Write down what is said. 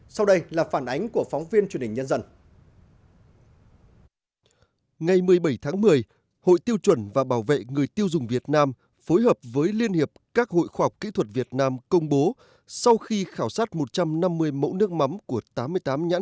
sau đây là phản ánh của phóng viên truyền hình nhân dân